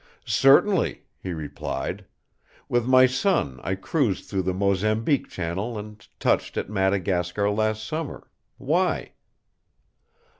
"Certainly," he replied. "With my son I cruised through the Mozambique Channel and touched at Madagascar last summer. Why?"